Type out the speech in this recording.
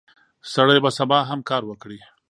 سړی به سبا هم کار وکړي.